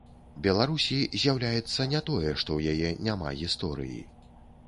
Беларусі з'яўляецца не тое, што ў яе няма гісторыі.